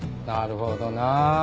なるほどな。